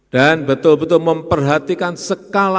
dan betul betul memperhatikan sekalian